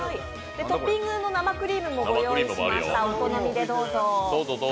トッピングの生クリームもご用意しました、お好みでどうぞ。